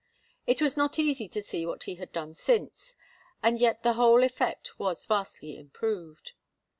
It was not easy to see what he had done since, and yet the whole effect was vastly improved.